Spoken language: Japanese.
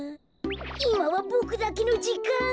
いまはボクだけのじかん。